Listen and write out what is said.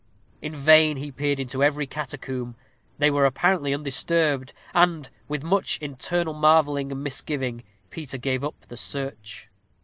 In vain he peered into every catacomb they were apparently undisturbed; and, with much internal marvelling and misgiving, Peter gave up the search.